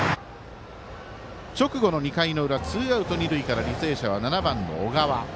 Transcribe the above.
直後の２回の裏ツーアウト、二塁から履正社は７番の小川。